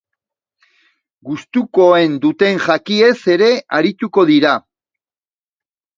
Gustukoen duten jakiez ere arituko dira.